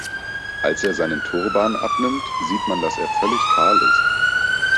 Als er seinen Turban abnimmt, sieht man, dass er völlig kahl ist.